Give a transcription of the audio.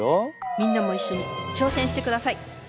みんなも一緒に挑戦してください！